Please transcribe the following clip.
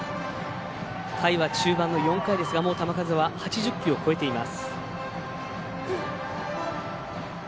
回は中盤の４回ですがもう球数は８０球を超えています。